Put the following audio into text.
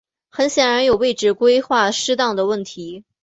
很显然有位置规划失当的问题。